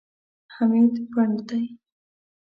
حمید پنډ دی.